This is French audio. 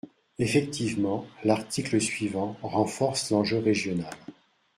Effectivement, l’article suivant renforce l’enjeu régional.